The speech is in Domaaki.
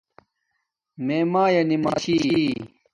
میے مایآ نمازی چھی